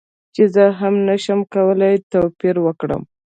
چې زه هم نشم کولی توپیر وکړم